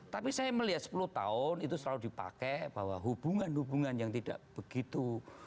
tapi saya melihat sepuluh tahun itu selalu dipakai bahwa hubungan hubungan yang tidak begitu